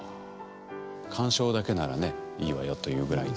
鑑賞だけならねいいわよというぐらいで。